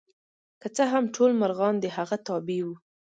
که څه هم ټول مرغان د هغه تابع وو.